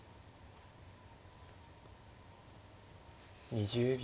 ２０秒。